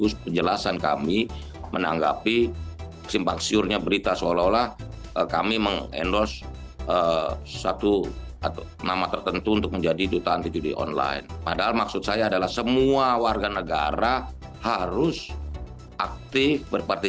selamat sore pak menteri